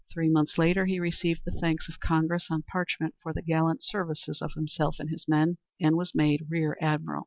Three months later he received the thanks of Congress on parchment for the gallant services of himself and his men, and was made Rear Admiral.